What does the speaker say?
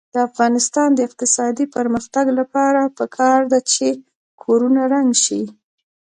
د افغانستان د اقتصادي پرمختګ لپاره پکار ده چې کورونه رنګ شي.